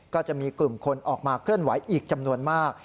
ก็จะมีกลุ่มคนออกมาเคลื่อนไหวอีกจำนวนมาก